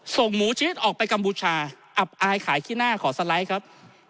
ส่งหมูชนิดออกไปกัมพูชาอับอายขายขี้หน้าขอสไลด์ครับ